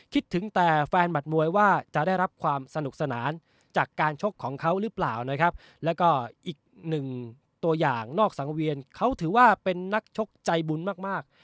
คิดถึงแต่แฟนหมัดมวยว่าจะได้รับความสนุกสนานจากการชกของเขาหรือเปล่านะครับแล้วก็อีกหนึ่งตัวอย่างนอกสังเวียนเขาถือว่าเป็นนักชกใจบุญมากมาก